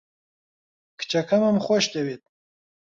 کچەکەمم خۆش دەوێت.